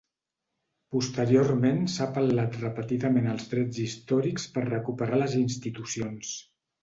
Posteriorment s'ha apel·lat repetidament als drets històrics per recuperar les institucions.